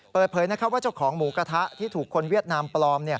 เปิดเผยว่าเจ้าของหมูกระทะที่ถูกคนเวียดนามปลอม